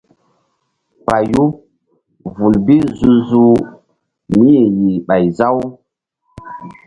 Payu vul bi zu-zuh mí-i yih ɓay za-u.